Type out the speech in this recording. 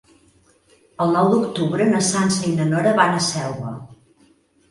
El nou d'octubre na Sança i na Nora van a Selva.